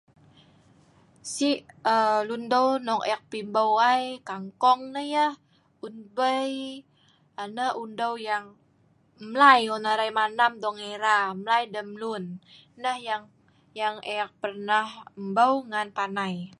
si' um long deu nok eek pi embou ai, kangkong nai yah, un bei, um nah long deu yang mlai on arai manam dong era, mlai deh mlun nah yang yang eek pernah embou ngan panai.